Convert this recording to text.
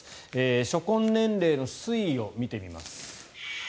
初婚年齢の推移を見てみます。